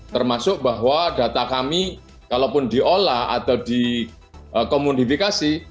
termasuk bahwa data kami kalaupun diolah atau dikomodifikasi